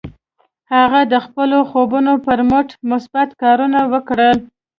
هغه د خپلو خوبونو پر مټ مثبت کارونه وکړل.